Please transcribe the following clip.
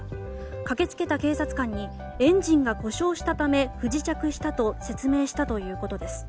駆けつけた警察官にエンジンが故障したため不時着したと説明したということです。